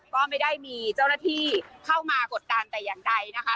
ก็ไม่ได้มีเจ้าหน้าที่เข้ามากดดันแต่อย่างใดนะคะ